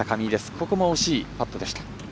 ここも惜しいパットでした。